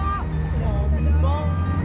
kenapa sering kita siap banget